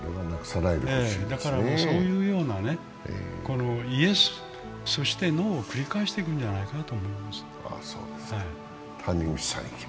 だからそういうようなイエス、そしてノーを繰り返していくんじゃないかなと思います。